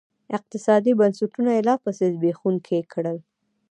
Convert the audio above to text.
اقتصادي بنسټونه یې لاپسې زبېښونکي کړل.